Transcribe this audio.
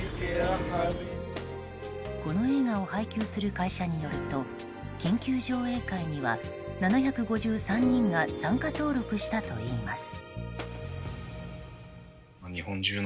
この映画を配給する会社によると緊急上映会には、７５３名が参加登録したといいます。